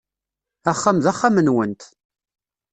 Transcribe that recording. Axxam d axxam-nwent.